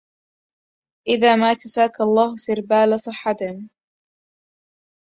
إذا ما كساك الله سربال صحة